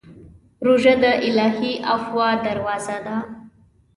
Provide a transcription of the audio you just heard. روژه د الهي عفوې دروازه ده.